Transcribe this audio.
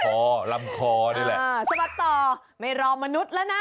ของลำคอนี่แหละคราวต่อไม่รอมนุษย์ละนะ